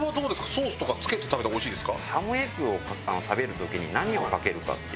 ソースとかつけて食べた方がおいしいですか？